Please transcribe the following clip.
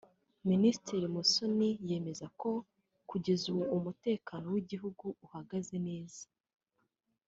Minisitiri Musoni yemeza ko kugeza ubu umutekano w’igihugu uhagaze neza